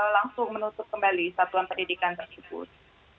langsung menutup kembali satuan pendidikan tersebut